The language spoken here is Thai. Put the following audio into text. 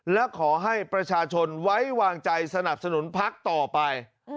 และขอให้ประชาชนไว้วางใจสนับสนุนพักต่อไป